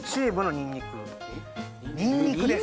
にんにくです・